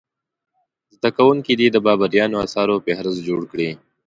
زده کوونکي دې د بابریانو اثارو فهرست جوړ کړي.